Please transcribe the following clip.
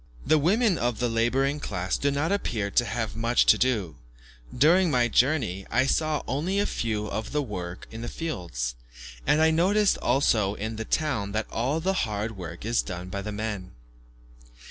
The women of the labouring class do not appear to have much to do; during my journey, I saw only a few at work in the fields, and I noticed also in the town that all the hard work is done by the men.